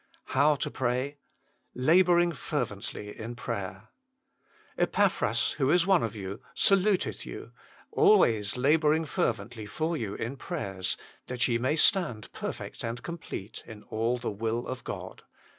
HOW TO PRAY. fEabmtrmjj ferbentlj in fJrajtcr "Epaphras, who is one of you, saluteth you, always labouring fervently for you in prayers, that ye may stand perfect and complete in all the will of God."